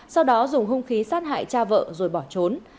sau đó dùng hung khí sát hại cha vợ rồi bỏ trốn